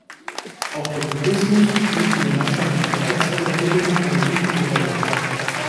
Auch der Tourismus spielt in der landschaftlich reizvollen Ebene eine wichtige Rolle.